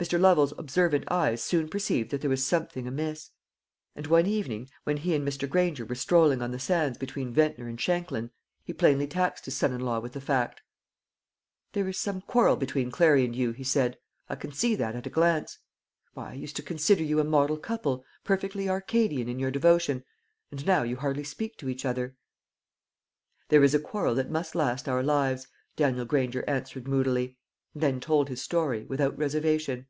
Mr. Lovel's observant eyes soon perceived that there was something amiss; and one evening, when he and Mr. Granger were strolling on the sands between Ventnor and Shanklin, he plainly taxed his son in law with the fact. "There is some quarrel between Clary and you," he said; "I can see that at a glance. Why, I used to consider you a model couple perfectly Arcadian in your devotion and now you scarcely speak to each other." "There is a quarrel that must last our lives," Daniel Granger answered moodily, and then told his story, without reservation.